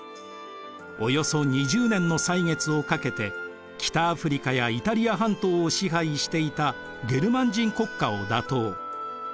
およそ２０年の歳月をかけて北アフリカやイタリア半島を支配していたゲルマン人国家を打倒。